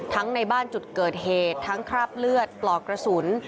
ในบ้านจุดเกิดเหตุทั้งคราบเลือดปลอกกระสุน